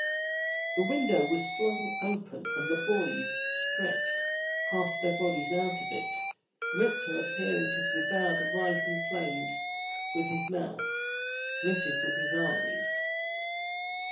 The window was flung open and the boys stretched half their bodies out of it, Ripton appearing to devour the rising flames with his mouth, Richard with his eyes.